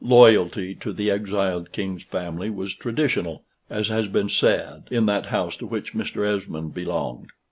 Loyalty to the exiled king's family was traditional, as has been said, in that house to which Mr. Esmond belonged.